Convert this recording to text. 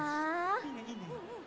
いいねいいね。